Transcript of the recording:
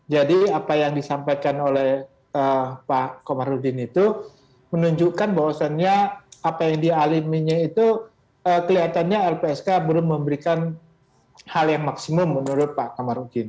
jadi apa yang disampaikan oleh pak kamarudin itu menunjukkan bahwasannya apa yang dialaminnya itu kelihatannya lpsk belum memberikan hal yang maksimum menurut pak kamarudin